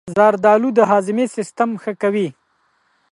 زردآلو د هاضمې سیستم ښه کوي.